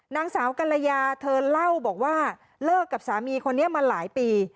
นางสาวกรยาเธอเล่าบอกว่าเลิกกับสามีคนนี้มาหลายปี